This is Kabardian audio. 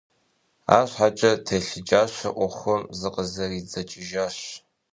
АрщхьэкIэ, телъыджащэу Iуэхум зыкъызэридзэкIыжащ.